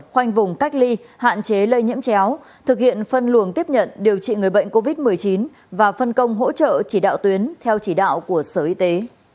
khoanh vùng cách ly hạn chế lây nhiễm chéo thực hiện phân luồng tiếp nhận điều trị người bệnh covid một mươi chín và phân công hỗ trợ chỉ đạo tuyến theo chỉ đạo của sở y tế